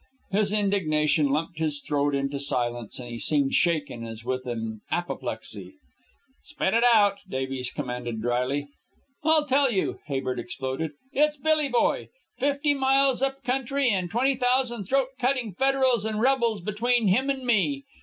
His indignation lumped his throat into silence, and he seemed shaken as with an apoplexy. "Spit it out," Davies commanded dryly. "I'll tell you," Habert exploded. "It's Billy Boy. Fifty miles up country and twenty thousand throat cutting federals and rebels between him and me.